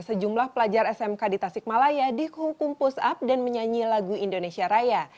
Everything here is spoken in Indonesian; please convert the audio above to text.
sejumlah pelajar smk di tasikmalaya dihukum push up dan menyanyi lagu indonesia raya